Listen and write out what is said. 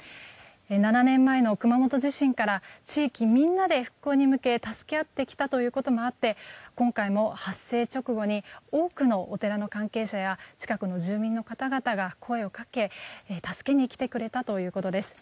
７年前の熊本地震から地域みんなで復興に向け助け合ってきたこともあって今回も発生直後に多くのお寺の関係者や近くの住民の方々が声をかけ助けに来てくれたということです。